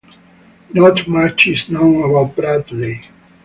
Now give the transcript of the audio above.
Not much is known about Bradley.